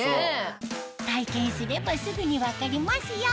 体験すればすぐに分かりますよ